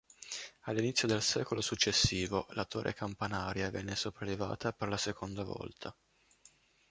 All'inizio del secolo successivo la torre campanaria venne sopraelevata per la seconda volta.